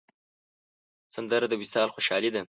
سندره د وصال خوشحالي ده